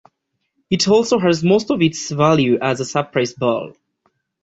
It also has most of its value as a surprise ball.